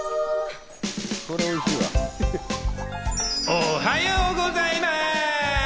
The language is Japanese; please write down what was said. おはようございます。